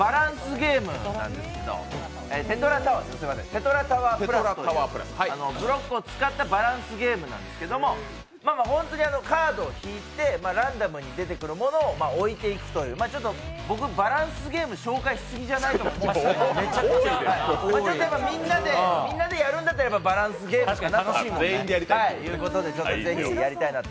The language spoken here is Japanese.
「テトラタワープラス」というブロックを使ったバランスゲームなんですけど、本当にカードを引いてランダムに出てくるものを置いていくという、僕、バランスゲーム、紹介しすぎじゃない？と思いますけど、みんなでやるんだったら、バランスゲームが楽しいのでぜひ、やりたいなと。